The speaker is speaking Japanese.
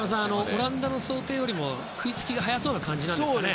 オランダの想定よりも食いつきが早そうな感じなんですかね。